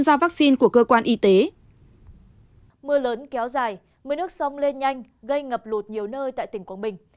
sau vaccine của cơ quan y tế mưa lớn kéo dài mưa nước sông lên nhanh gây ngập lụt nhiều nơi tại tỉnh quảng bình